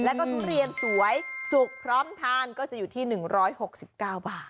แล้วก็ทุเรียนสวยสุกพร้อมทานก็จะอยู่ที่๑๖๙บาท